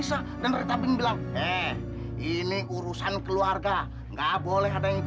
sampai jumpa di video selanjutnya